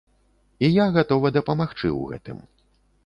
І я гатова дапамагчы ў гэтым.